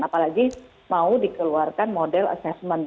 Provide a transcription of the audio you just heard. apalagi mau dikeluarkan model assessment